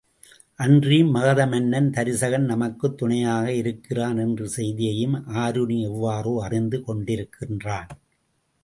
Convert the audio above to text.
அன்றியும் மகத மன்னன் தருசகன், நமக்குத் துணையாக இருக்கிறான் என்ற செய்தியையும் ஆருணி எவ்வாறோ அறிந்து கொண்டிருக்கின்றான்.